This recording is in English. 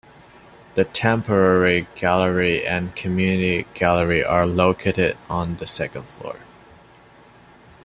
The Temporary Gallery and Community Gallery are located on the second floor.